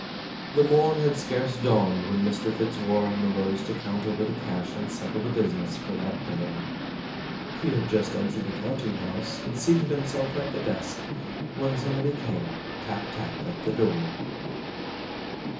The morn had scarcely dawned when Mr. Fitzwarren arose to count over the cash and settle the business for that day. He had just entered the counting house, and seated himself at the desk, when somebody came, tap, tap, at the door.